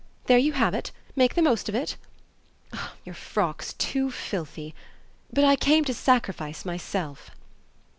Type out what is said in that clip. There you have it. Make the most of it. Your frock's too filthy; but I came to sacrifice myself."